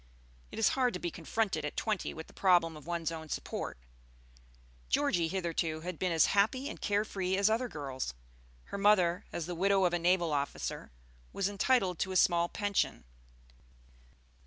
It is hard to be confronted at twenty with the problem of one's own support. Georgie hitherto had been as happy and care free as other girls. Her mother, as the widow of a naval officer, was entitled to a small pension.